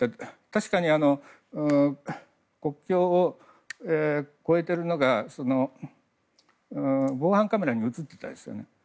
確かに、国境を越えているのが防犯カメラに映っていたんですよね。